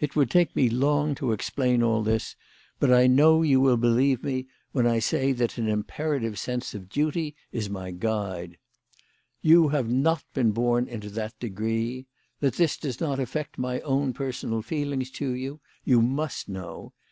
It would take me long to explain all this, but I know you will believe me when I say that an THE LADY OF LAUNAY. 161 imperative sense of duty is my guide. You have not been born into that degree. That this does not affect my own personal feeling to you, you must know.